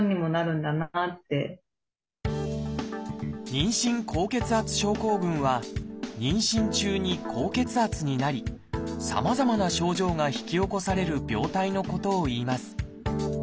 「妊娠高血圧症候群」は妊娠中に高血圧になりさまざまな症状が引き起こされる病態のことをいいます。